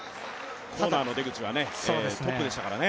コーナーの出口はトップでしたからね。